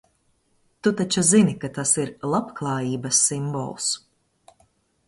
Tu taču zini, ka tas ir labklājības simbols?